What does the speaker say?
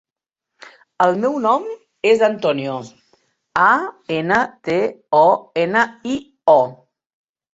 El meu nom és Antonio: a, ena, te, o, ena, i, o.